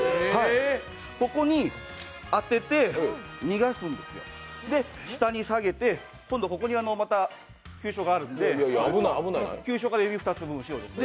ここに当てて逃がす、下に下げて今度はまた急所があるんで急所から指２つ分後ろです。